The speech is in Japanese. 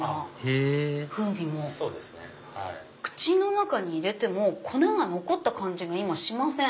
へぇ口の中に入れても粉が残った感じが今しません。